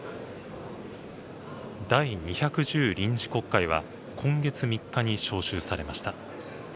第２１０臨時国会は、今月３日に召集されました。